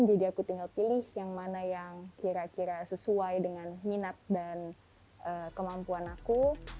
jadi aku tinggal pilih yang mana yang kira kira sesuai dengan minat dan kemampuan aku